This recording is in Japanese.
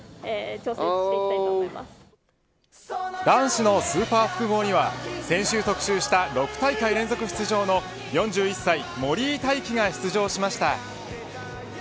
男子のスーパー複合には先週特集した６大会連続出場の４１歳森井大輝が出場しました。